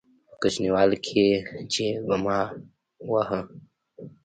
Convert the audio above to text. په کوچنيوالي کښې چې به مې واهه.